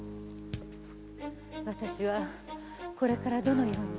私はこれからどのように？